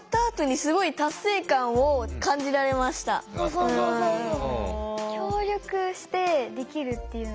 そうそうそうそう。